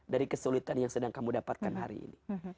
dari kesulitan yang sedang kamu dapatkan hari ini